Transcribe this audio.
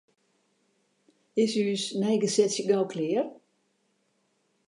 Is ús neigesetsje gau klear?